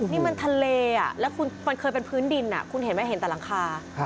นี่มันทะเลอ่ะ